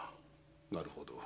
なるほど。